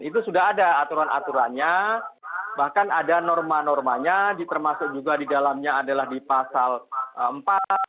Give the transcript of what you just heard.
itu sudah ada aturan aturannya bahkan ada norma normanya termasuk juga di dalamnya adalah di pasal empat